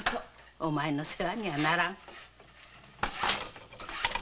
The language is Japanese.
お前の世話にはならん。